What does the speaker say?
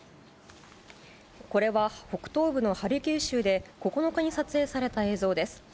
これは北東部のハルキウ州で、９日に撮影された映像です。